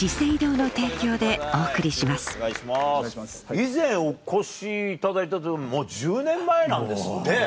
以前お越しいただいた時もう１０年前なんですって。